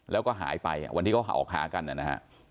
แล้วก็หายไปวันที่เขาออกหากันนะฮะ